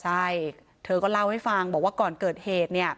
ใช่เธอก็เล่าให้ฟังบอกว่าก่อนเกิดเหตุเนี่ย